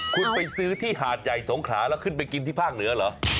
คุณไปซื้อที่หาดใหญ่สงขลาแล้วขึ้นไปกินที่ภาคเหนือเหรอ